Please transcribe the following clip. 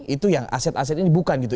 itu yang aset aset ini bukan gitu